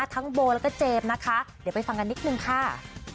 ทั้งโบแล้วก็เจมส์นะคะเดี๋ยวไปฟังกันนิดนึงค่ะ